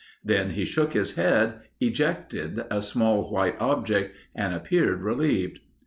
Then he shook his head, ejected a small white object, and appeared relieved.